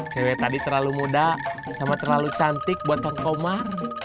cewek tadi terlalu muda sama terlalu cantik buat kang koma